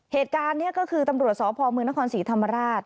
เหตุการณ์นี้ก็คือตำรวจสพมนครศรีธรรมราช